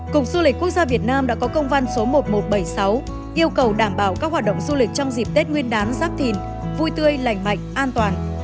cục du lịch quốc gia việt nam đã có công văn số một nghìn một trăm bảy mươi sáu yêu cầu đảm bảo các hoạt động du lịch trong dịp tết nguyên đán giáp thìn vui tươi lành mạnh an toàn